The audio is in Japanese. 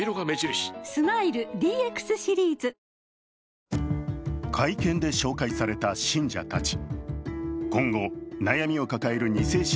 スマイル ＤＸ シリーズ！会見で紹介された信者たち。